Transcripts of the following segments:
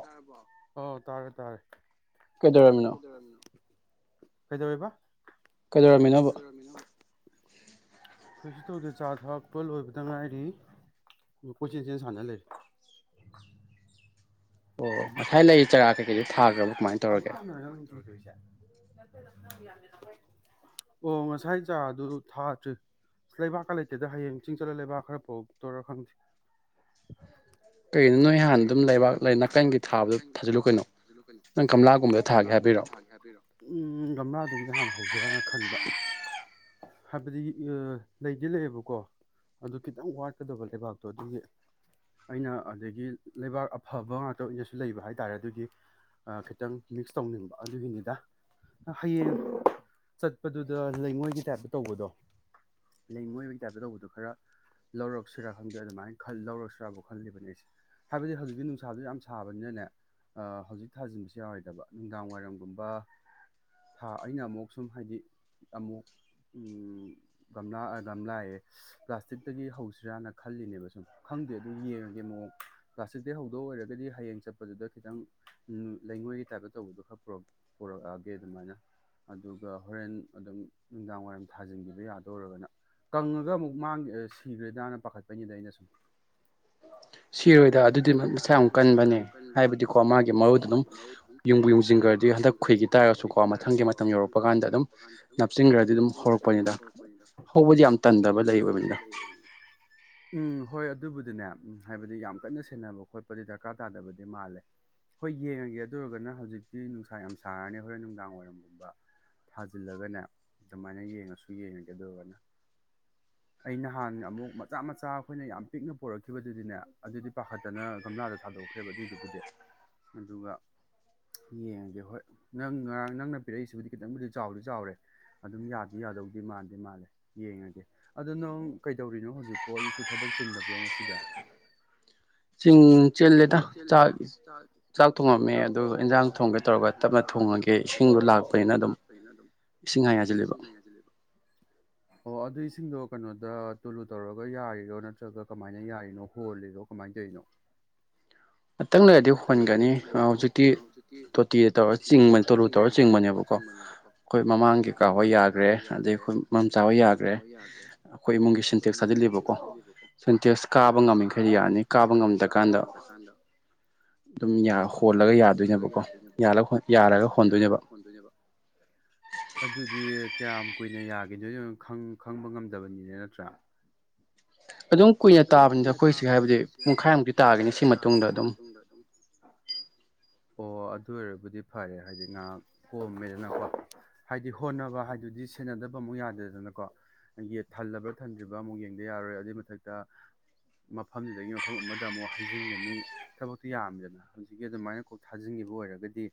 ꯇꯥꯔꯕꯣ ꯑꯣ ꯇꯥꯔꯦ ꯇꯥꯔꯦ ꯀꯩꯗꯧꯔꯝꯃꯤꯅꯣ ꯀꯩꯗꯧꯌꯦꯕꯥ ꯀꯩꯗꯧꯔꯝꯃꯤꯅꯣꯕ ꯀꯩꯁꯨ ꯇꯧꯗꯦ ꯆꯥ ꯊꯥꯛꯄ ꯂꯣꯏꯕꯗ ꯉꯥꯏꯔꯤ ꯀꯣꯏꯆꯦꯟ ꯆꯦꯟ ꯁꯥꯟꯅ ꯂꯩꯔꯤ [inaudible] ꯑꯣ ꯃꯊꯥꯏ ꯂꯩ ꯍꯥꯏ ꯂꯩ ꯆꯥꯔ ꯑꯗꯣ ꯇꯞꯅꯔ ꯅꯣꯢ ꯇꯧꯗꯣꯢꯁꯦ ꯑꯣ ꯉꯁꯥꯏ ꯆꯥꯔꯗꯨ ꯊꯥꯗ꯭ꯔꯤ ꯂꯩꯕꯥꯛꯀ ꯂꯩꯇꯦꯗ ꯍꯌꯦꯡ ꯆꯤꯡ ꯆꯠꯂ ꯂꯩꯕꯥꯛ ꯈꯔ ꯄꯣꯔꯛꯇꯧꯔ ꯈꯪꯗꯦ [inaudible] ꯀꯩꯒꯤꯅꯣ ꯅꯣꯏ ꯍꯥꯟꯅ ꯑꯗꯨꯝ ꯂꯩꯕꯥꯛ ꯂꯩ ꯅꯥꯀꯟꯒꯤ ꯊꯥꯕꯗꯨ ꯊꯥꯖꯤꯜꯂꯨ ꯀꯩꯅꯣ ꯅꯪ ꯒꯝꯂꯥꯒꯨꯝꯕꯗ ꯊꯥꯒꯦ ꯍꯥꯏꯕꯩꯔꯣ ꯎꯞ ꯊꯥꯒꯦ ꯍꯥꯢꯕꯩꯔꯣ ꯎꯝ ꯒꯝꯂꯥꯗꯒꯤꯗꯤ ꯍꯥꯟꯅ ꯍꯧꯖꯤꯔꯅ ꯈꯟꯕ [unintelligible] ꯍꯥꯏꯕꯗꯤ ꯑ ꯂꯩꯗꯤ ꯂꯩꯑꯦꯕꯀꯣ ꯑꯗꯨ ꯈꯤꯇꯪ ꯋꯥꯠꯀꯗꯕ ꯂꯩꯕꯥꯛꯇꯣ ꯑꯗꯨꯒꯤ ꯑꯩꯅ ꯑꯗꯒꯤ ꯂꯩꯕꯥꯛ ꯑꯐꯕ ꯉꯥꯛꯇ ꯑꯣꯏꯅꯁꯨ ꯂꯩꯕ ꯍꯥꯏꯇꯥꯔꯦ ꯑꯗꯨꯒꯤ ꯑ ꯈꯤꯇꯪ ꯃꯤꯛꯁ ꯇꯧꯅꯤꯡꯕ ꯑꯗꯨꯒꯤꯅꯤꯗ ꯑ ꯍꯌꯦꯡ ꯆꯠꯄꯗꯨꯗ ꯂꯩꯉꯣꯏꯒꯤ ꯇꯥꯏꯞꯇ ꯇꯧꯕꯗꯣ ꯂꯩꯉꯣꯏ ꯑꯣꯢ ꯇꯥꯏꯞꯇ ꯇꯧꯕꯗꯣ ꯈꯔ ꯂꯧꯔꯛꯁꯤꯔꯥ ꯈꯪꯗꯦ ꯑꯗꯨꯃꯥꯏꯅ ꯈꯜ ꯂꯧꯔꯛꯁꯤꯔꯕꯨ ꯈꯜꯂꯤꯕꯅꯦ ꯑꯩꯁꯦ ꯍꯥꯏꯕꯗꯤ ꯍꯧꯖꯤꯛꯇꯤ ꯅꯨꯡꯁꯥꯖꯨ ꯌꯥꯝ ꯁꯥꯕꯅꯤꯅꯅꯦ ꯑ ꯍꯧꯖꯤꯛ ꯊꯥꯖꯤꯟꯕꯁꯨ ꯌꯥꯔꯣꯏꯗꯕ ꯅꯨꯡꯗꯥꯡ ꯋꯥꯏꯔꯝꯒꯨꯝꯕ ꯊꯥ ꯑꯩꯅ ꯑꯃꯨꯛ ꯁꯨꯝ ꯍꯥꯏꯗꯤ ꯑꯃꯨꯛ ꯎꯝ ꯒꯝꯂ ꯒꯝꯂꯥ ꯑꯌꯦ ꯄ꯭ꯂꯥꯁꯇꯤꯛꯇꯒꯤ ꯍꯧꯁꯤꯔꯥꯅ ꯈꯜꯂꯤꯅꯦꯕ ꯁꯨꯝ ꯈꯪ ꯈꯪꯗꯦ ꯑꯗꯨ ꯌꯦꯡꯉꯒꯦ ꯃꯋꯣꯡ ꯄ꯭ꯂꯥꯁꯇꯤꯛꯇꯩ ꯍꯧꯗꯧ ꯑꯣꯏꯔꯒꯗꯤ ꯍꯌꯦꯡ ꯆꯠꯄꯗꯨꯗ ꯈꯤꯇꯪ ꯂꯩꯉꯣꯏꯒꯤ ꯇꯥꯏꯞꯇ ꯇꯧꯕꯗꯣ ꯈꯔ ꯄꯨꯔꯛ ꯄꯨꯔꯧ ꯂꯥꯛꯑꯒꯦ ꯑꯗꯨꯃꯥꯢꯅ ꯑꯗꯨꯒ ꯍꯣꯔꯦꯟ ꯑꯗꯨꯝ ꯅꯨꯡꯗꯥꯡ ꯋꯥꯏꯔꯝ ꯊꯥꯖꯤꯟꯈꯤꯕ ꯌꯥꯗꯧꯑꯣꯢꯔꯒꯅ ꯀꯪꯉꯥꯒ ꯑꯃꯨꯛ ꯃꯥꯡ ꯑ ꯁꯤꯒꯗꯔꯅ ꯄꯥꯈꯠꯄꯩꯅꯤꯗ ꯑꯩꯅ ꯁꯨꯝ ꯑꯣ ꯁꯤꯔꯣꯏꯗ ꯑꯗꯨꯗꯤ ꯃꯁꯥ ꯌꯥꯝ ꯀꯟꯕꯅꯦ ꯍꯥꯏꯕꯗꯤꯀꯣ ꯃꯥꯒꯤ ꯃꯔꯨꯗꯣ ꯗꯨꯝ ꯌꯨꯡꯕꯨ ꯌꯨꯡꯁꯤꯟꯈ꯭ꯔꯗꯤ ꯍꯟꯗꯛ ꯈꯨꯨꯏꯒꯤ ꯇꯥꯔꯁꯨꯀꯣ ꯃꯊꯪꯒꯤ ꯃꯇꯝ ꯌꯧꯔꯛꯄ ꯀꯥꯟꯗ ꯑꯗꯨꯝ ꯅꯞꯆꯤꯟꯈ꯭ꯔꯗꯤ ꯑꯗꯨꯝ ꯍꯧꯔꯛꯄꯅꯦꯗ ꯍꯧꯕꯗꯤ ꯌꯥꯝ ꯇꯟꯗꯕ ꯂꯩ ꯑꯣꯏꯕꯅꯤꯗ ꯎꯝ ꯍꯣꯏ ꯑꯗꯨꯕꯨꯗꯤꯅꯦ ꯎꯝ ꯍꯥꯏꯕꯗꯤ ꯌꯥꯝ ꯀꯟꯅ ꯁꯦꯟꯅꯕ ꯈꯣꯠꯄꯗꯤ ꯗꯔꯀꯥꯔ ꯇꯥꯗꯕꯗꯤ ꯃꯥꯜꯂꯦ ꯍꯣꯏ ꯌꯦꯡꯉꯥꯒꯦ ꯑꯗꯨ ꯑꯣꯏꯔꯒꯅ ꯍꯧꯖꯤꯛꯇꯤ ꯅꯨꯡꯁꯥ ꯌꯥꯝ ꯁꯥꯔꯅꯤ ꯍꯣꯔꯦꯟ ꯅꯨꯡꯗꯥꯡ ꯋꯥꯏꯔꯝꯒꯨꯝꯕ ꯊꯥꯖꯤꯜꯂꯒꯅꯦ ꯑꯗꯨꯃꯥꯏꯅ ꯌꯦꯡꯉꯁꯨ ꯌꯦꯡꯉꯒꯦ ꯑꯗꯨ ꯑꯣꯢꯔꯒꯅ ꯑꯩ ꯅꯍꯥꯟ ꯑꯃꯨꯛ ꯃꯆꯥ ꯃꯆꯥ ꯑꯩꯈꯣꯏꯅ ꯌꯥꯝ ꯄꯤꯛꯅ ꯄꯨꯔꯛꯈꯤꯕꯗꯨꯗꯤꯅꯦ ꯑꯗꯨꯗꯤ ꯄꯥꯈꯠꯇꯅ ꯒꯝꯂꯥꯗ ꯊꯥꯗꯣꯛꯈ꯭ꯔꯦꯕ ꯑꯗꯨꯏꯗꯨꯕꯨꯗꯤ ꯑꯗꯨꯒ ꯌꯦꯡꯉꯥꯒꯦ ꯍꯣꯏ ꯅꯪ ꯉꯔꯥꯡ ꯅꯪꯅ ꯄꯤꯔꯛꯏꯁꯤꯕꯨꯗꯤ ꯈꯤꯇꯪꯕꯨꯗꯤ ꯆꯥꯎꯗꯤ ꯆꯥꯎꯔꯦ ꯑꯗꯨꯝ ꯌꯥꯗꯤ ꯌꯥꯗꯧꯗꯤ ꯃꯥꯥꯟꯗꯤ ꯃꯥꯜꯂꯦ ꯌꯦꯡꯉꯒꯦ ꯑꯗꯨ ꯅꯪ ꯀꯩꯗꯧꯔꯤꯅꯣ ꯍꯧꯖꯤꯛꯄꯣ ꯑꯌꯨꯛꯁꯤ ꯊꯕꯛ ꯆꯤꯟꯗꯕ꯭ꯔꯣ ꯉꯥꯁꯤꯗꯤ [inaudible] ꯆꯤꯡ ꯆꯤꯜꯂꯦꯗ ꯆꯥꯛ ꯆꯥꯛ ꯊꯣꯡꯉꯝꯃꯦ ꯑꯗꯨꯒ ꯏꯟꯖꯥꯡ ꯊꯣꯡꯒꯦ ꯇꯧꯔꯒ ꯊꯞ ꯇꯧꯔꯒ ꯇꯞꯅ ꯊꯣꯡꯉꯥꯒꯦ ꯏꯁꯤꯡꯁꯨ ꯂꯥꯛꯄꯅꯤꯅ ꯑꯗꯨꯝ ꯏꯁꯤꯡ ꯍꯥꯏ ꯍꯥꯏ ꯆꯠꯂꯤꯕ ꯑꯣ ꯑꯗꯨꯏ ꯏꯁꯤꯡꯗꯣ ꯀꯩꯅꯣꯗ ꯇꯨꯂꯨ ꯇꯧꯔꯒ ꯌꯥꯔꯤꯔꯣ ꯅꯠꯇ꯭ꯔꯒ ꯀꯃꯥꯏꯅ ꯌꯥꯔꯤꯅꯣ ꯍꯣꯜꯂꯤꯔꯣ ꯀꯃꯥꯏꯅ ꯇꯧꯢꯅꯣ ꯉꯥꯛꯇꯪ ꯂꯩꯔꯗꯤ ꯍꯣꯟꯒꯅꯤ ꯑ ꯍꯧꯖꯤꯛꯇꯤ ꯇꯣꯇꯤꯅ ꯇꯧꯔ ꯆꯤꯡꯕꯅꯦ ꯇꯣꯂꯨ ꯇꯧꯔ ꯆꯤꯡꯕꯅꯦꯕꯀꯣ ꯑꯩꯈꯣꯏ ꯃꯃꯥꯡꯒꯤꯀꯥ ꯍꯣꯏ ꯌꯥꯈ꯭ꯔꯦ ꯑꯗꯩ ꯑꯩꯈꯣꯏ ꯃꯥꯝꯆꯥꯥ ꯍꯣꯢ ꯌꯥꯈ꯭ꯔꯦ ꯑꯩꯈꯣꯏ ꯏꯃꯨꯡꯒꯤ ꯁꯤꯟꯇꯦꯛꯁ ꯊꯥꯖꯤꯜꯂꯤꯕꯀꯣ ꯁꯤꯟꯇꯦꯛꯁ ꯀꯥꯕ ꯉꯝꯃꯤꯈꯩ ꯌꯥꯔꯅꯤ ꯀꯥꯕ ꯉꯝꯗ꯭ꯔꯀꯥꯟꯗ ꯀꯥꯟꯗ ꯍꯥ ꯑꯗꯨꯝ ꯌꯥ ꯍꯣꯜꯂꯒ ꯌꯥꯗꯣꯏꯅꯦꯕꯀꯣ ꯌꯥꯔꯒ ꯍꯣꯟꯗꯣꯏꯅꯦꯕ ꯑꯗꯨꯗꯤ ꯀꯌꯥꯝ ꯀꯨꯏꯅ ꯌꯥꯒꯤꯗꯣꯢꯅꯣ ꯈꯪ ꯈꯪꯕ ꯉꯝꯗꯕꯅꯤꯅꯦ ꯅꯠꯇ꯭ꯔꯥ ꯑꯗꯨꯝ ꯀꯨꯏꯅ ꯇꯥꯕꯅꯤꯗ ꯑꯩꯈꯣꯏꯁꯦ ꯍꯥꯏꯕꯗꯤ ꯄꯨꯡꯈꯥꯏꯃꯨꯛꯛꯇꯤ ꯇꯥꯒꯦꯅ ꯁꯤ ꯃꯇꯨꯡꯗ ꯑꯗꯨꯝ [inaudible] ꯑꯣ ꯑꯗꯨ ꯑꯣꯏꯔꯕꯨꯗꯤ ꯐꯔꯦ ꯍꯥꯏꯗꯤ ꯉꯥꯏꯍꯥꯛ ꯀꯣꯝꯃꯦꯗꯅꯀꯣ ꯍꯥꯏꯗꯤ ꯍꯣꯠꯅꯕ ꯍꯥꯏꯗꯨꯗꯤ ꯁꯦꯟꯅꯗꯕ ꯑꯃꯨꯛ ꯌꯥꯗꯦꯗꯅꯀꯣ ꯊꯜꯂꯕ꯭ꯔꯥ ꯊꯟꯗ꯭ꯔꯤꯕ꯭ꯔꯥ ꯑꯃꯨꯛ ꯌꯦꯡꯗ ꯌꯥꯔꯣꯏ ꯑꯗꯨꯏ ꯃꯊꯛꯇ ꯃꯐꯝꯗꯨꯗꯒꯤ ꯃꯐꯝ ꯑꯃꯗ ꯑꯃꯨꯛ ꯍꯩꯖꯤꯟꯒꯅꯤ ꯊꯕꯛꯇꯨ ꯌꯥꯝꯃꯤꯗꯅ ꯍꯧꯖꯤꯛꯀꯤ ꯑꯗꯨꯃꯥꯏꯅ ꯀꯣꯛ ꯊꯥꯖꯤꯟꯒꯅꯤ ꯗꯨ ꯑꯣꯏꯔꯒꯗꯤ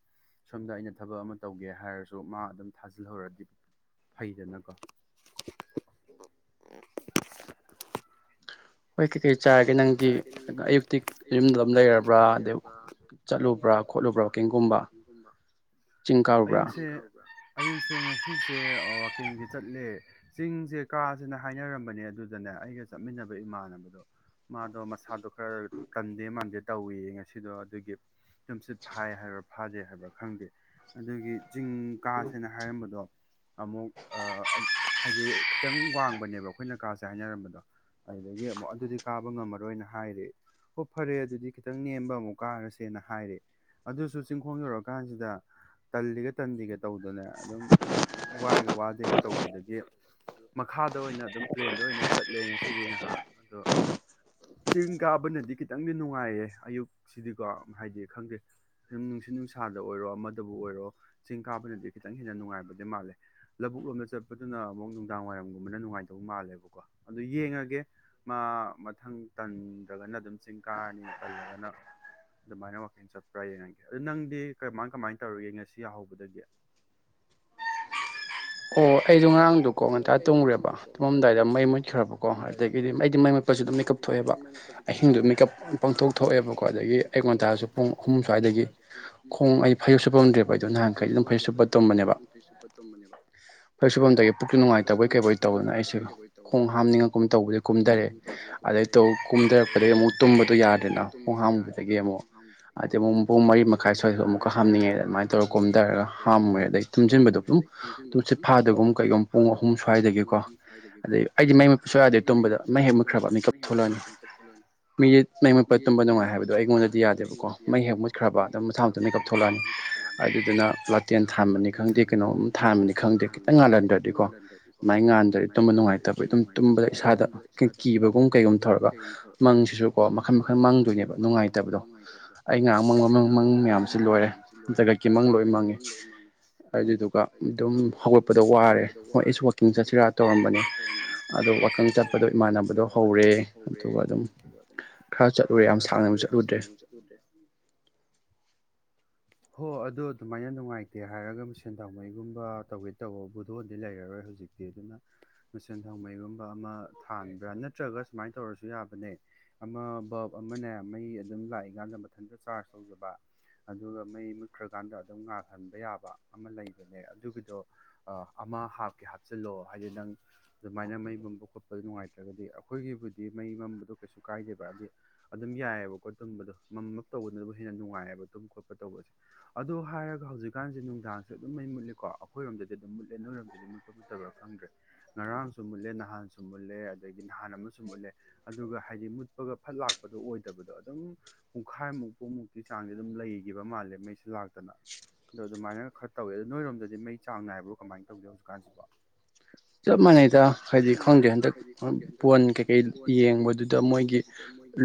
ꯁꯣꯝꯗ ꯑꯩꯅ ꯊꯕꯛ ꯑꯃ ꯇꯧꯒꯦ ꯍꯥꯏꯔꯁꯨ ꯃꯥ ꯑꯗꯨꯝ ꯊꯥꯖꯤꯜꯍꯧꯔꯗꯤ ꯐꯩꯗꯅꯀꯣ [inaudible] ꯍꯣꯏ ꯀꯩꯀꯩ ꯆꯥꯔꯒꯦ ꯅꯪꯒꯤ ꯑꯌꯨꯛꯇꯤꯛ ꯌꯨꯝꯗ ꯑꯗꯨ ꯂꯩꯔꯕ꯭ꯔꯥ ꯑꯗꯩ ꯆꯠꯂꯨꯕ꯭ꯔꯥ ꯑꯌꯨꯛꯁꯦ ꯑꯌꯨꯛꯁꯦ ꯉꯁꯤꯁꯦ ꯋꯥꯋꯥꯛꯀꯤꯡꯁꯦ ꯆꯠꯂꯦ ꯆꯤꯡꯁꯦ ꯀꯥꯁꯦꯅ ꯍꯥꯏꯅꯔꯝꯕꯅꯦ ꯑꯗꯨꯗꯅꯦ ꯑꯩꯒ ꯆꯠꯃꯤꯟꯅꯕ ꯏꯃꯥꯟꯅꯕꯗꯣ ꯃꯥꯗꯣ ꯃꯁꯥꯗꯣ ꯈꯔ ꯇꯟꯗꯦ ꯃꯥꯟꯗꯦ ꯇꯧꯏꯌꯦ ꯉꯁꯤꯗꯣ ꯑꯗꯨꯒꯤ ꯇꯨꯝꯆꯠ ꯐꯥꯏ ꯍꯥꯏꯕ꯭ꯔꯥ ꯐꯥꯗꯦ ꯍꯥꯏꯕ꯭ꯔꯥ ꯈꯪꯗꯦ ꯑꯗꯨꯒꯤ ꯆꯤꯡ ꯀꯥꯁꯦꯅ ꯍꯥꯏꯔꯝꯕꯗꯣ ꯑꯃꯨꯛ ꯍꯥꯏꯗꯤ ꯈꯤꯇꯪ ꯋꯥꯡꯕꯅꯦꯕ ꯑꯩꯈꯣꯏꯅꯀꯥꯁꯦ ꯍꯥꯏꯅꯔꯝꯕꯗꯣ ꯑꯗꯨꯗꯒꯤ ꯑꯃꯨꯛ ꯑꯗꯨꯗꯤ ꯀꯥꯕ ꯉꯝꯃꯔꯣꯏꯅ ꯍꯥꯏꯔ ꯍꯣ ꯐꯔꯦ ꯑꯗꯨꯗꯤ ꯈꯤꯇꯪ ꯅꯦꯝꯕ ꯑꯃꯨꯛ ꯀꯥꯔꯁꯦꯅ ꯍꯥꯏꯔꯦ ꯑꯗꯨꯁꯨ ꯆꯤꯡꯈꯣꯡ ꯌꯧꯔꯛꯑꯀꯥꯟꯁꯤꯗ ꯇꯜꯂꯤꯒ ꯇꯟꯗꯦꯒ ꯇꯧꯗꯅ ꯑꯗꯨꯝ ꯋꯥꯏꯒ ꯋꯥꯗꯦꯒ ꯇꯧꯕꯗꯒꯤ ꯃꯈꯥꯗ ꯑꯣꯏꯅ ꯑꯗꯨꯝ ꯄ꯭ꯂꯦꯟꯗ ꯑꯣꯏꯅ ꯆꯠꯂꯦ ꯉꯁꯤꯗꯤ ꯉꯥꯏꯍꯥꯛ ꯑꯗꯣ [inaudible] ꯆꯤꯡ ꯀꯥꯕꯅꯗꯤ ꯈꯤꯇꯪꯗꯤ ꯅꯨꯡꯉꯥꯏꯌꯦ ꯑꯌꯨꯛꯁꯤꯗꯤꯀꯣ ꯍꯥꯏꯗꯤ ꯈꯪꯗꯦ ꯁꯨꯝ ꯅꯨꯡꯁꯤꯠ ꯅꯨꯡꯁꯥꯗ ꯑꯣꯏꯔꯣ ꯑꯃꯗꯕꯨ ꯑꯣꯏꯔꯣ ꯆꯤꯡ ꯀꯥꯕꯗꯗꯤ ꯈꯤꯇꯪ ꯍꯦꯟꯅ ꯅꯨꯡꯉꯥꯏꯕꯗꯤ ꯃꯥꯜꯂꯦ ꯑꯃꯨꯛ ꯂꯣꯝꯗ ꯆꯠꯄꯗꯨꯅ ꯑꯃꯨꯛ ꯅꯨꯡꯗꯥꯡ ꯋꯥꯏꯔꯝꯒꯨꯝꯕꯅ ꯅꯨꯡꯉꯥꯏꯇꯧ ꯃꯥꯜꯂꯦꯕꯀꯣ ꯑꯗꯨ ꯌꯦꯡꯉꯒꯦ ꯃꯥ ꯃꯊꯪ ꯇꯟꯗ꯭ꯔꯒꯅ ꯑꯗꯨꯝ ꯆꯤꯡ ꯀꯥꯔꯅꯤ ꯇꯜꯂꯒꯅ ꯑꯗꯨꯃꯥꯏꯅ ꯋꯥꯀꯤꯡ ꯆꯠꯄ꯭ꯔꯥ ꯌꯦꯡꯂꯒꯦ ꯑꯗꯨ ꯅꯪꯗꯤ ꯀꯃꯥꯏ ꯀꯃꯥꯏꯅ ꯇꯧꯔꯤꯒꯦ ꯉꯁꯤ ꯌꯥꯍꯧꯕꯗꯒꯤ ꯑꯣ ꯑꯩ ꯑꯩꯁꯨ ꯉꯔꯥꯡꯗꯨꯣꯀꯣ ꯉꯟꯇꯥ ꯇꯣꯡꯈꯨꯔꯦꯕ ꯇꯨꯝꯃꯝꯗꯥꯏꯗ ꯃꯩ ꯃꯨꯠꯈ꯭ꯔꯕꯀꯣ ꯑꯗꯒꯤꯗꯤ ꯑꯩꯗꯤ ꯃꯩ ꯃꯠꯄꯁꯨ ꯑꯗꯨꯝ ꯂꯩꯩꯀꯞ ꯊꯣꯛꯑꯦ ꯑꯍꯤꯡꯗꯣ ꯃꯤꯀꯞ ꯄꯥꯡꯊꯣꯛ ꯊꯣꯛꯑꯦꯕꯀꯣ ꯑꯗꯒꯤ ꯑꯌꯨꯛ ꯉꯟꯇꯥꯁꯨ ꯄꯨꯡ ꯑꯍꯨꯝ ꯁ꯭ꯋꯥꯏꯗꯒꯤ ꯍ ꯀꯥꯏꯏꯗꯒꯤ ꯈꯣꯡ ꯑꯩ ꯐꯔꯤꯨ ꯁꯨꯞꯄꯝꯗ꯭ꯔꯦꯕ ꯑꯩꯗꯣ ꯅꯍꯥꯟꯈꯩꯗꯤ ꯑꯗꯨꯝ ꯐꯩꯖꯨꯞ ꯁꯨꯞꯄ ꯇꯝꯕꯅꯦꯕ ꯂꯣꯏ ꯁꯨꯐꯝꯗꯒꯤ ꯄꯨꯛꯀꯤ ꯅꯨꯡꯉꯥꯏꯇꯕꯩ ꯀꯩꯕꯩ ꯇꯧꯗꯅ ꯑꯩꯁꯨ ꯈꯣꯡ ꯍꯥꯝꯅꯤꯡꯉꯒꯨꯝ ꯇꯧꯕꯗꯤ ꯀꯨꯝꯊꯔꯦ ꯑꯗꯗꯒꯤ ꯀꯨꯝꯊꯔꯛꯄꯗꯒꯤ ꯑꯃꯨꯛ ꯇꯨꯝꯕꯗꯣ ꯌꯥꯗꯦꯅ ꯈꯣꯡ ꯍꯥꯥꯝꯕꯗꯒꯤ ꯑꯃꯨꯛ ꯍꯥꯏꯗꯗꯤ ꯑꯃꯨꯛ ꯄꯨꯡ ꯃꯔꯤ ꯃꯈꯥ ꯃꯈꯀꯥꯏ ꯁ꯭ꯋꯥꯏꯗ ꯑꯃꯨꯛꯀ ꯍꯥꯞꯅꯤꯡꯉꯦ ꯑꯗꯨꯃꯥꯏꯅ ꯇꯧꯔ ꯀꯣꯝꯊꯔꯒ ꯍꯥꯝꯃꯨꯔꯦ ꯑꯗꯩ ꯇꯨꯝꯁꯤꯟꯕꯗꯣ ꯑꯗꯨꯝ ꯇꯨꯝꯁꯤꯠ ꯐꯥꯗꯒꯨꯝ ꯀꯩꯒꯨꯝ ꯄꯨꯡ ꯑꯍꯨꯝ ꯁ꯭ꯋꯥꯏꯗꯒꯤꯀꯣ ꯑꯗꯩ ꯑꯩꯗꯤ ꯃꯩ ꯃꯨꯠꯄꯁꯨ ꯌꯥꯗꯦ ꯇꯨꯝꯕꯗ ꯃꯩ ꯍꯦꯛ ꯃꯨꯈ꯭ꯔꯕ ꯃꯤꯀꯞ ꯊꯣꯛꯂꯛꯅꯤ ꯃꯤ ꯀꯞ ꯊꯣꯛꯂꯛ ꯑꯅꯤ ꯃꯤꯁ ꯃꯩ ꯃꯨꯄꯠ ꯇꯨꯝꯕ ꯅꯨꯡꯉꯥꯏ ꯍꯥꯏꯕꯗꯣ ꯑꯩꯉꯣꯟꯗꯗꯤ ꯌꯥꯗꯦꯕꯀꯣ ꯃꯩ ꯍꯦꯛ ꯃꯨꯠꯈ꯭ꯔꯕ ꯑꯗꯨꯝ ꯃꯁꯥ ꯃꯊꯪ ꯃꯤꯀꯞ ꯊꯣꯛꯂꯛꯑꯅꯤ ꯑꯗꯨꯗꯨꯅ ꯂꯥꯇꯦꯟ ꯊꯥꯃꯅꯤ ꯈꯪꯗꯦ ꯀꯩꯅꯣꯝ ꯊꯥꯃꯅꯤ ꯈꯪꯗꯦ ꯈꯤꯇꯪ ꯉꯥꯜꯍꯟ ꯭ꯔꯗꯤ ꯀꯣ ꯃꯥꯏ ꯉꯥꯟꯗ꯭ꯔꯗꯤ ꯇꯨꯝꯕ ꯅꯨꯡꯉꯥꯏꯇꯕ ꯑꯗꯨꯝ ꯇꯨꯝꯕꯗ ꯏꯁꯥꯗ ꯀꯤꯕꯒꯨꯝ ꯀꯩꯒꯨꯝꯕ ꯇꯧꯔꯒ ꯀꯩꯒꯨꯝꯕ ꯇꯧꯔꯒ ꯃꯪꯁꯤꯁꯨ ꯀꯣ ꯃꯈꯜ ꯃꯈꯜ ꯃꯪꯗꯣꯏꯒꯤꯕ ꯅꯨꯡꯉꯥꯏꯇꯕꯗꯣ ꯑꯩꯅ ꯑꯃꯪ ꯑꯃꯪ ꯁꯤ ꯂꯣꯏꯔꯦ ꯖꯒꯠꯀꯤ ꯃꯪ ꯂꯣꯏ ꯃꯪꯉꯦ ꯑꯗꯨꯗꯨꯒ ꯑꯗꯨꯝ ꯍꯧꯒꯠꯄꯗ ꯋꯥꯥꯔꯦ ꯍꯣꯏ ꯑꯩ ꯋꯀꯤꯡ ꯆꯠꯁꯤꯔꯥ ꯇꯧꯔꯝꯕꯅꯦ ꯑꯗꯣ ꯋꯥꯋꯀꯤꯡ ꯆꯠꯄꯗꯣ ꯏꯃꯥꯟꯅꯕꯗꯣ ꯍꯧꯔꯦ ꯑꯗꯨꯒ ꯑꯗꯨꯝ ꯈꯔ ꯆꯠꯂꯨꯔꯦ ꯌꯥꯝ ꯁꯥꯡꯅ ꯆꯠꯂꯨꯗ꯭ꯔꯦ [inaudible] ꯍꯣ ꯑꯗꯨꯗ ꯑꯗꯨꯃꯥꯏꯅ ꯅꯨꯡꯉꯥꯏꯇꯦ ꯍꯥꯏꯔꯒ ꯁꯦꯟꯊꯥꯎꯃꯩꯒꯨꯝꯕ ꯇꯧꯒꯦ ꯇꯧꯕ ꯕꯨꯗꯣꯟꯗꯤ ꯂꯩꯔꯔꯣꯏ ꯔꯣꯏ ꯍꯧꯖꯤꯛꯇꯤ ꯑꯗꯨꯅ ꯃꯁꯦꯟ ꯊꯧꯃꯩꯒꯨꯝꯕ ꯑꯃ ꯊꯥꯟꯕ꯭ꯔꯥ ꯅꯠꯇ꯭ꯔꯒ ꯁꯨꯃꯥꯏꯅ ꯇꯧꯔꯁꯨ ꯌꯥꯕꯅꯦ ꯑꯃ ꯑꯃꯅꯦ ꯃꯩ ꯑꯗꯨꯝ ꯂꯥꯛꯏꯀꯥꯟꯗ ꯃꯊꯟꯇ ꯆꯥꯔꯖ ꯇꯧꯖꯕ ꯑꯗꯨꯒ ꯃꯩ ꯃꯨꯠꯈ꯭ꯔꯀꯥꯟꯗ ꯑꯗꯨꯝ ꯉꯥꯜꯍꯟꯕ ꯌꯥꯕ ꯑꯃ ꯂꯩꯕꯅꯦ ꯑꯗꯨꯒꯤꯗꯣ ꯑꯃ ꯍꯥ ꯍꯥꯞꯀꯦ ꯍꯥꯞꯆꯤꯜꯂꯣ ꯍꯥꯏꯗꯤ ꯅ ꯑꯗꯨꯥꯏꯅ ꯃꯩ ꯃꯝꯕ ꯈꯣꯠꯄ ꯅꯨꯡꯉꯥꯏꯇ꯭ꯔꯒ ꯈꯣꯏꯏꯒꯤꯕꯨ ꯀꯩ ꯀꯥꯏꯗꯦꯕ ꯍꯥꯏꯗꯤ ꯑꯗꯨꯝ ꯌꯥꯏꯑꯕꯀꯣ ꯇꯝꯕꯗꯣ ꯃꯃꯝ ꯇꯧꯕꯗꯅ ꯑꯗꯨꯕꯨ ꯍꯦꯟꯅ ꯅꯨꯡꯉꯥꯏꯑꯕ [inaudible] ꯑꯗꯣ ꯍꯥꯏꯔꯒ ꯍꯧꯖꯤꯛꯀꯥꯟꯁꯦ ꯅꯨꯡꯗꯥꯡꯁꯦ ꯑꯗꯨꯝ ꯃꯩ ꯃꯨꯠꯂꯦꯀ ꯑꯩꯈꯣꯏꯔꯣꯝꯗꯤ ꯑꯗꯨꯝ ꯃꯨꯠꯂꯦ ꯅꯣꯏꯔꯣꯝꯗꯗꯤ ꯃꯨꯠꯄ ꯃꯨꯠꯇꯕ ꯗ꯭ꯔꯦ ꯉꯔꯥꯡꯁꯨ ꯃꯨꯠꯂꯦ ꯅꯍꯥꯟꯁꯨ ꯃꯨꯠꯂꯦ ꯑꯗꯒꯤ ꯅꯍꯥꯟ ꯑꯃꯁꯨ ꯃꯨꯠꯂꯦ ꯑꯗꯨꯒ ꯍꯥꯏꯗꯤ ꯨꯎꯠꯄꯒ ꯐꯠ ꯂꯥꯛꯄꯗꯣ ꯑꯣꯏꯗꯕꯗꯣ ꯑꯗꯨꯝ ꯄꯨꯡꯈꯥꯏꯃꯨꯛ ꯄꯨꯡꯃꯨꯛꯀꯤ ꯆꯥꯡꯁꯦ ꯑꯗꯨꯝ ꯂꯩꯒꯤꯕ ꯃꯥꯜꯂꯦ ꯃꯩꯁꯨ ꯂꯥꯛꯇꯅ ꯑꯗꯣ ꯑꯗꯨꯃꯥꯏꯅ ꯈꯔ ꯇꯧꯏꯦ ꯑꯗꯣ ꯅꯣꯏꯔꯣꯝꯗꯗꯤ ꯃꯩ ꯆꯥꯡ ꯅꯥꯏꯕ꯭ꯔꯣ ꯀꯃꯥꯏꯅ ꯇꯧꯒꯦ ꯍꯧꯖꯤꯛꯀꯥꯟꯁꯤꯕꯣ [inaudible] ꯆꯞ ꯃꯥꯟꯅꯩꯗ ꯍꯥꯏꯗꯤ ꯈꯪꯗꯦ ꯍꯟꯗꯛ ꯄꯣꯟ ꯀꯩꯀꯩ ꯌꯦꯡꯕꯗꯨꯗ ꯃꯣꯏꯒꯤ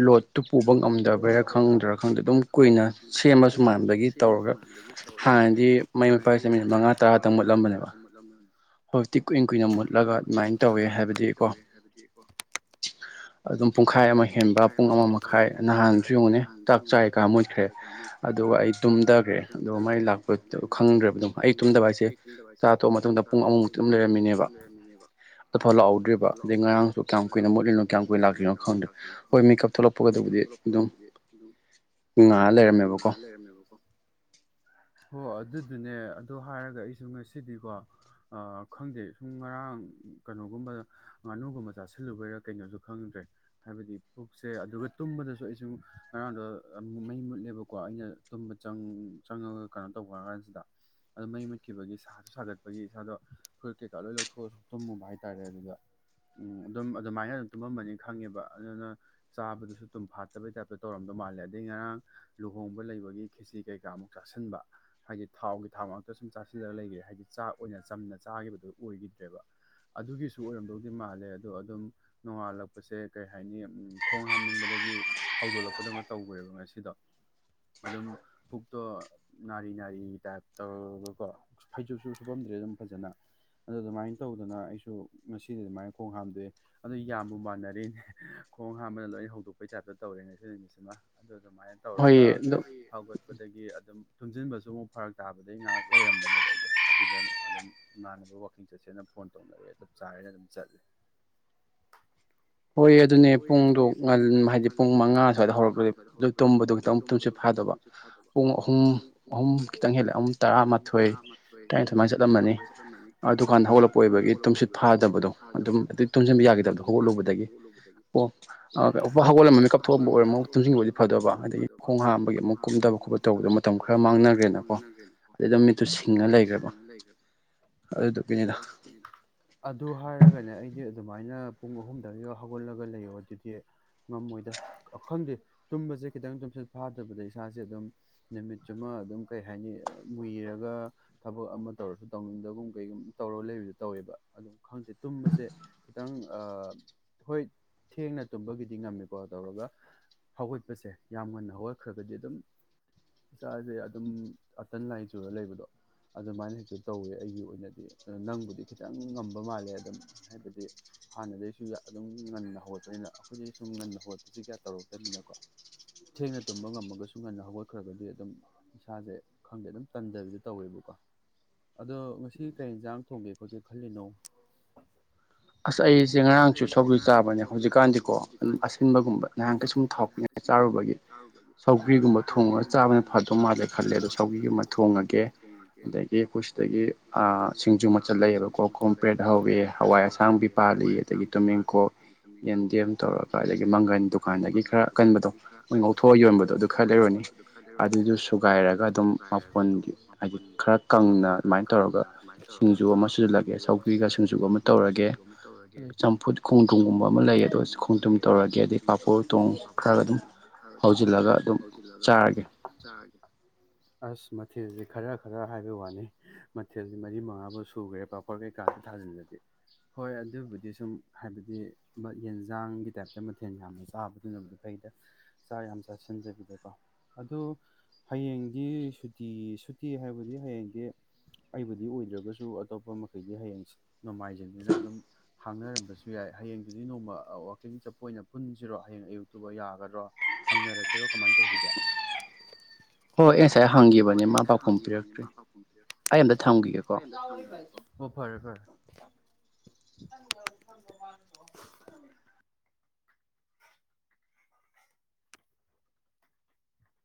ꯂꯣꯠꯇꯨ ꯄꯨꯕ ꯉꯝꯗꯕ꯭ꯔꯔꯥ ꯈꯪꯗ꯭ꯔꯥ ꯈꯪꯗ꯭ꯔ ꯑꯗꯨꯝ ꯀꯨꯏꯅ ꯁꯦꯝꯕꯁꯨ ꯃꯥꯟꯕꯗꯒꯤ ꯇꯧꯔꯒ ꯍꯥꯟꯅꯗꯤ ꯃꯩ ꯃꯄꯥꯥꯏꯁꯦ ꯃꯤꯅꯤꯠ ꯃꯉꯥ ꯇꯔꯥꯇꯪ ꯃꯨꯠꯂꯝꯕꯅꯦꯕ [unintelligible] ꯍꯧꯖꯤꯛꯇꯤ ꯀꯨꯏ ꯍꯧꯖꯤꯛꯇꯤ ꯀꯨꯏꯟ ꯀꯨꯏꯅ ꯃꯨꯠꯂꯒ ꯑꯗꯨꯃꯥꯏꯅ ꯇꯧꯋꯤ ꯍꯥꯏꯕꯗꯤꯀꯣ ꯑꯗꯨꯝ ꯄꯨꯡꯈꯥꯏ ꯑꯃ ꯍꯦꯟꯕ ꯄꯨꯡ ꯑꯃ ꯃꯈꯥꯏ ꯅꯍꯥꯟꯁꯨ ꯌꯡꯉꯨꯅꯤ ꯆꯥꯛ ꯆꯥꯏ ꯀꯥ ꯃꯨꯠꯈ꯭ꯔꯦ ꯑꯗꯨꯒ ꯑꯩ ꯇꯨꯝꯗꯒ꯭ꯔꯦ ꯑꯗꯨꯒꯗꯣ ꯃꯥꯏ ꯂꯥꯛꯄꯗꯣ ꯈꯪꯗ꯭ꯔꯦꯕ ꯑꯗꯨꯝ ꯑꯩ ꯇꯨꯝꯗꯕ ꯍꯥꯏꯁꯦ ꯇꯨꯝꯗꯕ ꯍꯥꯏꯁꯦ ꯆꯥ ꯑꯊꯣꯛꯑꯄ ꯃꯇꯨꯡꯗ ꯄꯨꯡ ꯑꯍꯛ ꯇꯨꯝ ꯂꯩ [inaudible] ꯑꯐꯣ ꯂꯥꯛꯎꯗ꯭ꯔꯤꯕ ꯑꯩ ꯉꯔꯥꯡꯁꯨ ꯀꯌꯥꯝ ꯀꯨꯏꯅ ꯃꯣꯠꯂꯤꯅꯣ ꯀꯌꯥꯝ ꯀꯨꯏꯅ ꯂꯥꯛꯂꯤꯅꯣ ꯈꯪꯗ꯭ꯔ ꯍꯣꯏ ꯃꯤꯀꯞ ꯊꯣꯛꯂꯛꯄꯒ ꯑꯗꯨꯝ ꯊꯣꯛꯂꯛꯄꯒꯗꯕꯗꯤ ꯑꯗꯨꯝ ꯎ ꯉꯥꯜ ꯂꯩꯔꯝꯃꯦꯕꯀꯣ ꯍꯣ ꯑꯗꯨꯗꯨꯅꯦ ꯑꯗꯣ ꯍꯥꯏꯔꯒ ꯑꯩꯁꯨ ꯉꯁꯤꯗꯤꯀꯣ ꯑ ꯈꯪꯗꯦ ꯁꯨꯝ ꯉꯔꯥꯡ ꯀꯩꯅꯣꯒꯨꯝꯕ ꯉꯥꯅꯨꯒꯨꯝꯕ ꯆꯥꯥꯁꯜꯂꯨꯕꯩꯔꯥ ꯀꯩꯅꯣꯁꯨ ꯈꯪꯗ꯭ꯔꯦ ꯍꯥꯏꯕꯗꯤ ꯄꯨꯛꯁꯦ ꯑꯗꯨꯒ ꯇꯨꯝꯕꯗꯁꯨ ꯑꯩꯁꯨ ꯉꯔꯥꯡꯗꯣ [inaudible] ꯍꯥꯏꯕꯀꯣ ꯑꯩꯅ ꯇꯨꯝꯕ ꯆꯪ ꯆꯪꯉꯒ ꯀꯩꯅꯣ ꯇꯧꯕ ꯍꯥꯏ ꯀꯥꯟꯁꯤꯗ ꯑꯗꯨ ꯃꯩ ꯃꯨꯠꯈꯤꯕꯒꯤ ꯁꯥꯁꯨ ꯁꯥꯒꯠꯄꯒꯤ ꯏꯁꯥꯗꯣ ꯐꯨꯔꯤꯠ ꯀꯩꯀꯥ ꯂꯣꯏ ꯂꯧꯊꯣꯛꯑꯁꯨ ꯇꯨꯝꯃꯨꯕ ꯍꯥꯏꯇꯥꯔꯦ ꯑꯗꯨꯗ ꯎꯝ ꯑꯗꯨꯝ ꯑꯗꯨꯃꯥꯏꯅ ꯑꯗꯨꯝ ꯇꯨꯝꯃꯝꯃꯅꯤ ꯈꯪꯉꯦꯕ ꯑꯗꯨꯅ ꯆꯥꯕꯗꯨꯁꯨ ꯇꯨꯝ ꯐꯥꯠꯇꯕꯩ ꯇꯥꯏꯞꯇ ꯇꯧꯔꯝꯗꯧ ꯃꯥꯜꯂꯦ ꯑꯗꯩ ꯉꯔꯥꯡ ꯂꯨꯍꯣꯡꯕ ꯂꯩꯕꯒꯤ ꯈꯦꯁꯤ ꯀꯩꯀꯥꯃꯨꯛ ꯆꯥꯁꯤꯟꯕ ꯍꯥꯏꯗꯤ ꯊꯥꯎꯒꯤ ꯊꯥꯎ ꯉꯛꯇ ꯁꯨꯝ ꯆꯥꯁꯤ ꯑꯗ ꯂꯩꯈ꯭ꯔꯦ ꯍꯥꯏꯗꯤ ꯆꯥꯛ ꯑꯣꯏꯅ ꯆꯝꯅ ꯆꯥꯈꯤꯕꯗꯨ ꯑꯣꯏꯈꯤꯗ꯭ꯔꯦꯕ ꯑꯗꯨꯒꯤꯁꯨ ꯑꯣꯏꯔꯝꯗꯧꯗꯤ ꯃꯥꯜꯂꯦ ꯑꯗꯣ ꯑꯗꯨꯝ ꯅꯣꯡꯉꯥꯜꯂꯛꯄꯁꯦ ꯀꯩ ꯍꯥꯏꯅꯤ ꯎ ꯈꯣꯡ ꯍꯥꯅꯤꯡꯕꯗ ꯒꯤ ꯍꯧꯗꯣꯛꯂꯛꯄꯗꯧꯅ ꯇꯧꯈ꯭ꯔꯦꯕ ꯉꯁꯤꯗꯣ ꯑꯗꯨꯝ ꯄꯨꯛꯇꯣ ꯅꯥꯔꯤ ꯅꯥꯔꯤ ꯇꯥꯏꯞ ꯇꯧꯔꯒꯀꯣ ꯐꯩꯖꯨꯞꯁꯨ ꯁꯨꯐꯝ ꯗꯦ ꯑꯗꯨꯝ ꯐꯖꯅ ꯑꯗꯨ ꯑꯗꯨꯃꯥꯏꯅ ꯇꯧꯗꯅ ꯑꯩꯁꯨ ꯉꯁꯤꯗꯤ ꯑꯗꯨꯃꯥꯏꯅ ꯈꯣꯡ ꯍꯥꯝꯗꯣꯛꯑꯦ ꯑꯗꯨ ꯌꯥꯝꯕꯨ ꯃꯥꯟꯅꯔꯤꯅꯦ ꯈꯣꯡ ꯍꯥꯝꯕꯗ ꯂꯣꯏꯅ ꯍꯧꯗꯣꯛꯄꯩ ꯇꯥꯏꯞꯇ ꯇꯧꯔꯦ ꯉꯁꯤ ꯅꯨꯃꯤꯠꯁꯤꯃ ꯑꯗꯨ ꯑꯗꯨꯃꯥꯏꯅ ꯇꯧꯔꯒ ꯍꯧꯒꯠꯄꯗꯒꯤ ꯑꯗꯨꯝ ꯊꯨꯝꯖꯤꯟꯕꯁꯨ ꯑꯃꯨꯛ ꯐꯔꯛ ꯇꯥꯕꯗꯒꯤꯩ ꯉꯥꯏꯍꯥꯛ ꯂꯩꯔꯝꯕꯅꯦꯕ ꯑꯩꯗꯣ ꯑꯗꯨꯗ ꯑꯗꯨꯝ ꯏꯥꯟꯅꯕ ꯋꯥꯛꯀꯤꯡ ꯆꯠꯁꯦꯟꯅ ꯐꯣꯟ ꯇꯧꯅꯔꯑꯦ ꯑꯗꯨꯝ ꯆꯥꯢꯌꯦ ꯑꯗꯨꯝ ꯆꯠꯂꯦ [inaudible] ꯍꯣꯏ ꯑꯗꯨꯅꯦ ꯄꯨꯡꯗꯣ ꯉꯟ ꯍꯥꯏꯗꯤ ꯄꯨꯡ ꯃꯉꯥ ꯁ꯭ꯋꯥꯏꯗ ꯍꯧꯔꯛꯄꯗ ꯇꯨꯝꯕꯗꯨ ꯈꯤꯇꯪ ꯇꯨꯝꯁꯨꯠ ꯐꯥꯗꯧ ꯕ ꯄꯨꯡ ꯑꯍꯨꯝ ꯑꯍꯨꯝ ꯈꯤꯇꯪ ꯍꯦꯜꯂꯦ ꯑꯍꯨꯝ ꯇꯔꯥꯃꯥꯊꯣꯏ ꯇꯔꯥꯅꯤꯊꯣꯏꯃꯥꯏꯅ ꯆꯠꯂꯝꯃꯅꯤ ꯑꯗꯨꯀꯥꯟꯗ ꯍꯧꯒꯠꯂꯛꯄ ꯑꯣꯏꯕꯒꯤ ꯇꯨꯝꯁꯤꯠ ꯐꯥꯗꯕꯗꯣ ꯑꯗꯨꯝ ꯑꯗꯨ ꯇꯨꯝꯁꯤꯟꯕ ꯌꯥꯒꯗꯕꯗꯣ ꯍꯧꯒꯠꯂꯨꯕꯗꯒꯤ [inaudible] ꯑꯣ ꯑ ꯍꯧꯒꯣꯜꯂꯝꯃ ꯃꯤ ꯀꯞꯊꯣꯛꯑꯝꯕ ꯑꯣꯏꯔ ꯑꯃꯨꯛ ꯇꯨꯝꯁꯤꯟꯕꯗꯤ ꯐꯗꯕ ꯑꯗꯒꯤ ꯈꯣꯡ ꯍꯥꯝꯕꯒꯤ ꯑꯃꯨꯛ ꯀꯨꯝꯗꯕ ꯗꯕ ꯈꯣꯠꯇꯕꯗꯣ ꯃꯇꯝ ꯈꯔ ꯃꯥꯡꯅꯈ꯭ꯔꯦꯅꯀꯣ ꯑꯗ ꯑꯗꯨꯝ ꯃꯤꯠꯇꯨ ꯁꯤꯡꯉ ꯂꯩꯈ꯭ꯔꯕ ꯑꯗꯨ ꯍꯥꯏꯔꯒꯅꯦ ꯑꯩꯗꯤ ꯑꯗꯨꯃꯥꯏꯅ ꯄꯨꯡ ꯑꯍꯨꯝ ꯍꯧꯒꯠꯂꯒ ꯂꯩꯌꯣ ꯑꯗꯨꯗꯤ ꯉꯝꯃꯣꯏꯗ ꯈꯪꯗꯦ ꯇꯨꯝꯕꯁꯦ ꯈꯤꯇꯪ ꯇꯨꯝꯁꯤꯠ ꯐꯥꯗ ꯑꯗꯨꯗ ꯏꯁꯥꯁꯦ ꯑꯗꯨꯝ ꯅꯨꯃꯤꯠꯁꯨꯃ ꯑꯗꯨꯝ ꯀꯩ ꯍꯥꯏꯅꯤ ꯃꯨꯏꯔꯒ ꯊꯕꯛ ꯑꯃ ꯇꯧꯔꯁꯨ ꯇꯧꯅꯤꯡꯗꯕꯒꯨꯝ ꯀꯩꯒꯨꯝ ꯇꯧꯔꯒ ꯂꯩꯕꯗꯨ ꯇꯧꯋꯦꯕ ꯑꯗꯨꯝ ꯈꯪꯗꯦ ꯇꯨꯝꯕꯁꯦ ꯈꯤꯇꯪ ꯑ ꯍꯣꯏ ꯊꯦꯡꯅ ꯇꯨꯝꯕꯒꯤꯗꯤ ꯉꯝꯃꯤꯀꯣ ꯇꯧꯔꯒ ꯍꯧꯒꯠꯄꯁꯦ ꯌꯥꯝ ꯉꯨꯟꯅ ꯍꯧꯒꯠꯈ꯭ꯔꯒꯗꯤ ꯑꯗꯨꯝ ꯏꯆꯥꯁꯦ ꯑꯗꯨꯝ ꯀꯇꯟ ꯂꯥꯏ ꯆꯨꯔ ꯂꯩꯕꯗꯣ ꯑꯗꯨꯃꯥꯏꯅ ꯍꯦꯛꯇ ꯇꯧꯋꯦ ꯑꯩꯒꯤ ꯑꯣꯏꯅꯗꯤ ꯑꯗꯨ ꯅꯪꯕꯨꯗꯤ ꯈꯤꯇꯪ ꯉꯝꯕ ꯃꯥꯜꯂꯦ ꯑꯗꯨꯝ ꯍꯥꯏꯕꯗꯤ ꯍꯥꯟꯅꯗꯩꯁꯨ ꯑꯗꯨꯝ ꯉꯟꯅ ꯍꯧꯒꯠꯄꯅꯤꯅ ꯑꯩꯈꯣꯏꯗꯤ ꯁꯨꯝ ꯉꯟꯅ ꯍꯧꯒꯠꯄꯁꯦ ꯀꯌꯥ ꯇꯧꯔꯛꯇꯝꯅꯤꯅꯀꯣ ꯊꯦꯡꯅ ꯇꯨꯝꯕ ꯉꯝꯃꯒꯁꯨ ꯉꯟꯅ ꯍꯧꯒꯠꯈ꯭ꯔꯒꯗꯤ ꯑꯗꯨꯝ ꯏꯁꯥꯁꯦ ꯈꯪꯗꯦ ꯑꯗꯨꯝ ꯇꯟꯗꯕꯤꯗꯣ ꯇꯧꯋꯦꯕꯀꯣ [inaudible] ꯑꯗꯣ ꯉꯁꯤ ꯀꯔꯤ ꯌꯦꯟꯁꯥꯡ ꯊꯣꯡꯒꯦ ꯈꯣꯠꯒꯦ ꯈꯜꯂꯤꯅꯣ ꯑꯁ ꯑꯩꯁꯦ ꯉꯔꯥꯡꯁꯨ ꯁꯧꯒ꯭ꯔꯤ ꯆꯥꯕꯅꯦ ꯍꯧꯖꯤꯛꯀꯥꯟꯗꯤꯀꯣ ꯑ ꯑꯁꯤꯟꯕꯒꯨꯝꯕ ꯅꯍꯥꯟ ꯀꯩꯁꯨꯝ ꯊꯥꯎ ꯆꯥꯔꯨꯕꯒꯤ ꯁꯧꯒ꯭ꯔꯤ ꯒꯨꯝꯕ ꯊꯣꯡꯉ ꯆꯥꯕꯅ ꯐꯗꯧ ꯃꯥꯜꯂꯦ ꯈꯜꯂꯦ ꯑꯗꯣ ꯁꯧꯒꯤꯒꯨꯝꯕ ꯊꯣꯡꯉꯒꯦ ꯑꯗꯒꯤ ꯑꯩꯈꯣꯏ ꯁꯤꯗꯒꯤ ꯑ ꯁꯤꯡꯖꯨ ꯃꯆꯜ ꯂꯩꯌꯦꯕꯀꯣ ꯀꯣꯝꯄ꯭ꯔꯦꯛ ꯍꯧꯋꯤ ꯍꯋꯥꯏ ꯑꯁꯥꯡꯕꯤ ꯄꯥꯜꯂꯤ ꯑꯗꯒꯤ ꯇꯨꯅꯤꯡ ꯀꯣ ꯌꯦꯝꯗꯦꯝ ꯇꯧꯔꯒ ꯑꯗꯒꯤ ꯃꯪꯒꯟ ꯗꯨꯀꯥꯟꯗꯒꯤ ꯈꯔ ꯑꯀꯟꯕꯗꯣ ꯃꯣꯏ ꯉꯧꯊꯣꯛꯑ ꯌꯣꯟꯕꯗꯣ ꯑꯗꯨ ꯈꯔ ꯂꯩꯔꯨꯅꯤ ꯑꯗꯨꯗꯨ ꯁꯨꯒꯥꯏꯔꯒ ꯑꯗꯨꯝ ꯃꯐꯣꯟꯒꯤ ꯍꯥꯏꯗꯤ ꯈꯔ ꯀꯪꯅ ꯑꯗꯨꯃꯥꯏꯅ ꯇꯧꯔꯒ ꯁꯤꯡꯖꯨ ꯑꯃ ꯁꯨꯖꯤꯜꯂꯛꯒꯦ ꯁꯧꯒ꯭ꯔꯤꯒ ꯁꯤꯡꯖꯨꯒ ꯑꯃ ꯇꯧꯔꯒꯦ ꯆꯝꯐꯨꯠ ꯈꯣꯡꯗ꯭ꯔꯨꯝꯒꯨꯝꯕ ꯑꯃ ꯂꯩ ꯑꯗꯣ ꯈꯣꯡꯗ꯭ꯔꯨꯝ ꯇꯧꯔꯒꯦ ꯑꯗꯩ ꯄꯥꯄꯣꯔ ꯊꯣꯡ ꯈꯔꯒ ꯑꯗꯨꯝ ꯍꯧꯖꯤꯜꯂꯒ ꯍꯧꯖꯤꯜꯂꯒ ꯑꯗꯨꯝ ꯆꯥꯔꯒꯦ ꯑꯁ ꯃꯊꯦꯜꯁꯦ ꯈꯔ ꯈꯔ ꯍꯥꯏꯕꯩ ꯋꯥꯅꯤ ꯃꯊꯦꯜꯁꯦ ꯃꯔꯤ ꯃꯉꯥꯐꯥꯎ ꯁꯨꯈ꯭ꯔꯦ ꯄꯥꯄꯣꯔ ꯀꯩꯀꯥꯗ ꯊꯥꯖꯤꯜꯂꯗꯤ ꯍꯣꯏ ꯑꯗꯨꯕꯨꯗꯤ ꯁꯨꯝ ꯍꯥꯏꯕꯗꯤ ꯌꯦꯟꯁꯥꯡꯒꯤ ꯇꯥꯏꯞꯇ ꯃꯊꯦꯜ ꯌꯥꯝꯅ ꯆꯥꯕꯗꯨꯅꯕꯨꯗꯤ ꯐꯩꯗ ꯆꯥꯛ ꯌꯥꯝ ꯆꯥꯁꯤ ꯆꯟꯗꯕꯤꯗꯀꯣ ꯑꯗꯨ ꯍꯌꯦꯡꯗꯤ ꯁꯨꯇꯤ ꯁꯨꯇꯤ ꯍꯥꯏꯕꯗꯤ ꯍꯌꯦꯡꯗꯤ ꯑꯩꯕꯨꯗꯤ ꯑꯣꯏꯗ꯭ꯔꯒꯁꯨ ꯑꯇꯣꯞꯄ ꯃꯈꯩꯗꯤ ꯍꯌꯦꯡ ꯅꯣꯡꯃꯥꯏꯖꯤꯡꯅꯤꯅ ꯑꯗꯨꯝ ꯍꯥꯡꯅꯔꯝꯕꯁ ꯁꯨ ꯌꯥꯏ ꯍꯌꯦꯡꯗꯨꯗꯤ ꯅꯣꯡꯃ ꯋꯥꯛꯀꯤꯡ ꯆꯠꯄ ꯑꯣꯏꯅ ꯄꯨꯟꯁꯤꯔꯣ ꯍꯌꯦꯡ ꯑꯌꯨꯛꯇꯨꯕ ꯌꯥꯒꯗ꯭ꯔꯣ ꯍꯪꯅꯔꯛꯀꯦꯔꯣ ꯀꯃꯥꯏ ꯇꯧꯁꯤꯒꯦ ꯑꯣ ꯑꯦꯁ ꯍꯪꯈꯤꯕꯅꯦ ꯃꯥ ꯄꯥꯎꯈꯨꯝ ꯄꯤꯔꯛꯇ꯭ꯔꯤ ꯑꯩ ꯑꯝꯇ ꯊꯝꯈꯤꯒꯦꯀꯣ [unintelligible]